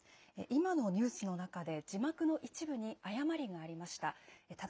今のニュースの中で、字幕の一部に誤りがありました。